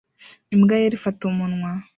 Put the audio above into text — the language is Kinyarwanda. Imbwa yera ifata umunwa